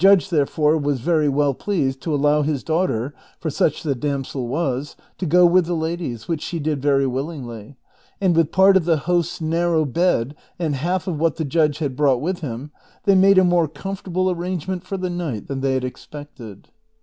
dge, therefore, was very well pleased to allow his daughter, for such the damsel was, to go with the ladies, which she did very willingly ; and with part of the host's narrow bed and half of what the judge had brought with him they made a more comfortable arrange ment for the night than they had expected.